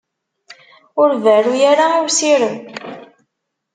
Ur berru ara i usirem.